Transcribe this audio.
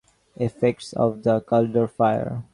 Effects of the Caldor Fire